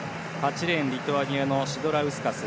８レーン、リトアニアのシドラウスカス。